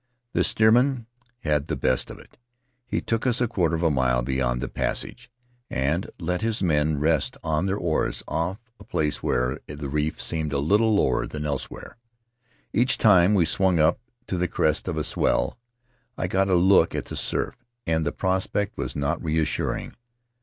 The steersman had the best of it; he took us a quarter of a mile beyond the pas sage, and let his men rest on their oars off a place where the reef seemed a little lower than elsewhere. Each time we swung up to the crest of a swell I got a look at the surf, and the prospect was not reassuring.